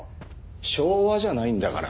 昭和じゃないんだから。